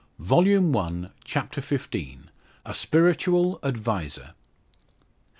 Volume One, Chapter XV. A SPIRITUAL ADVISER.